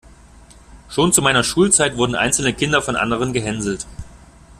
Schon zu meiner Schulzeit wurden einzelne Kinder von anderen gehänselt.